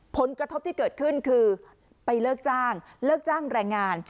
ผลกระทบที่เกิดขึ้นคือไปเลิกจ้างเลิกจ้างแรงงาน